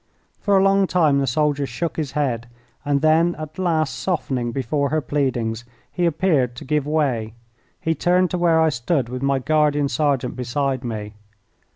For a long time the soldier shook his head, and then, at last softening before her pleadings, he appeared to give way. He turned to where I stood with my guardian sergeant beside me.